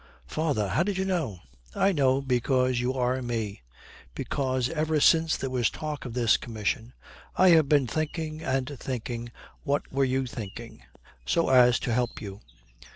'Father, how did you know?' 'I know because you are me. Because ever since there was talk of this commission I have been thinking and thinking what were you thinking so as to help you.'